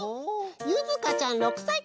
ゆずかちゃん６さいからです！